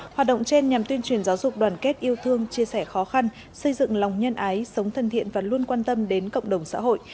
hoạt động trên nhằm tuyên truyền giáo dục đoàn kết yêu thương chia sẻ khó khăn xây dựng lòng nhân ái sống thân thiện và luôn quan tâm đến cộng đồng xã hội